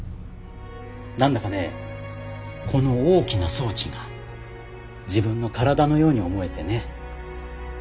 何だかねこの大きな装置が自分の体のように思えてね。